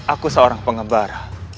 aku seorang pengembara